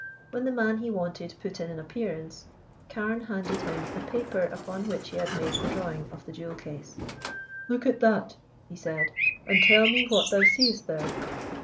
When the man he wanted put in an appearance, Carne handed him the paper upon which he had made the drawing of the jewel case. "Look at that," he said, "and tell me what thou seest there."